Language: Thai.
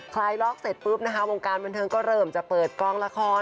คลายล็อกเสร็จปุ๊บนะคะวงการบันเทิงก็เริ่มจะเปิดกองละคร